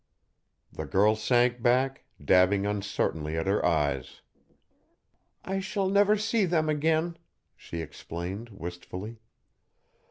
"_ The girl sank back, dabbing uncertainly at her eyes. "I shall never see them again," she explained, wistfully.